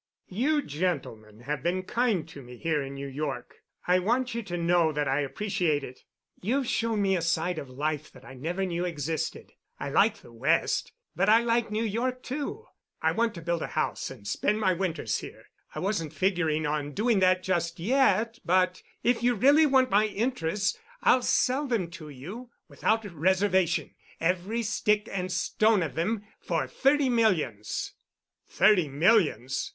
"You gentlemen have been kind to me here in New York. I want you to know that I appreciate it. You've shown me a side of life I never knew existed. I like the West, but I like New York, too. I want to build a house and spend my winters here—I wasn't figuring on doing that just yet—but if you really want my interests I'll sell them to you—without reservation—every stick and stone of them for thirty millions." "Thirty millions?"